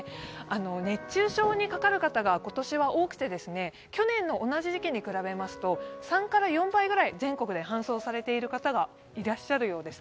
熱中症にかかる方が今年は多くて、去年の同じ時期に比べますと３から４倍ぐらい全国で搬送されている方がいらっしゃるようです。